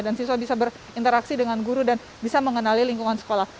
dan siswa bisa berinteraksi dengan guru dan bisa mengenali lingkungan sekolah